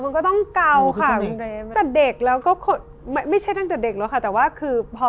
มันก็ต้องเกาค่ะแต่เด็กแล้วก็ไม่ใช่ตั้งแต่เด็กแล้วค่ะแต่ว่าคือพอ